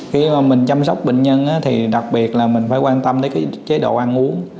khi mình chăm sóc bệnh nhân thì đặc biệt là mình phải quan tâm đến cái chế độ ăn uống